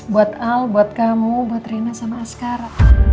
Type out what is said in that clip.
buat al buat kamu buat rina sama askara